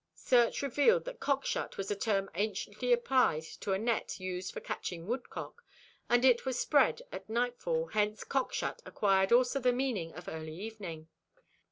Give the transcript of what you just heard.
Search revealed that cockshut was a term anciently applied to a net used for catching woodcock, and it was spread at nightfall, hence cockshut acquired also the meaning of early evening.